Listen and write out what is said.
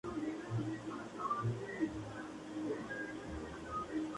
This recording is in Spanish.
Los extensos pinares son aprovechados para la explotación forestal.